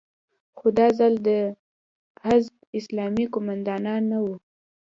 خو دا ځل د حزب اسلامي قومندانان نه وو.